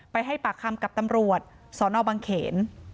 ให้ปากคำกับตำรวจสนบังเขน